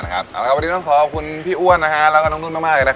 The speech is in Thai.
วันนี้เราขอบคุณพี่อ้วนแล้วก็น้องนุ่นมากนะคะ